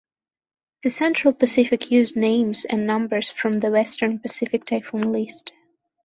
The central Pacific used names and numbers from the western Pacific's typhoon list.